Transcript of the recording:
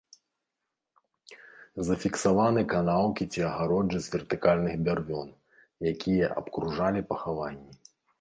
Зафіксаваны канаўкі ці агароджы з вертыкальных бярвён, якія абкружалі пахаванні.